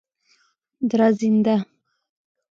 دراځینده